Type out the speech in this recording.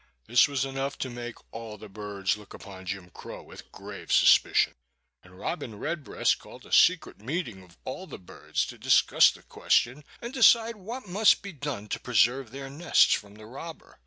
This was enough to make all the birds look upon Jim Crow with grave suspicion, and Robin Redbreast called a secret meeting of all the birds to discuss the question and decide what must be done to preserve their nests from the robber.